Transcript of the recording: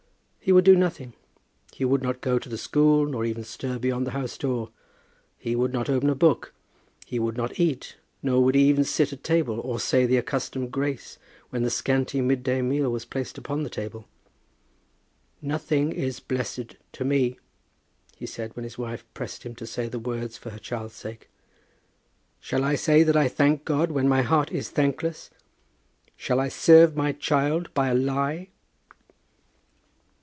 He would do nothing. He would not go to the school, nor even stir beyond the house door. He would not open a book. He would not eat, nor would he even sit at table or say the accustomed grace when the scanty mid day meal was placed upon the table. "Nothing is blessed to me," he said, when his wife pressed him to say the words for their child's sake. "Shall I say that I thank God when my heart is thankless? Shall I serve my child by a lie?"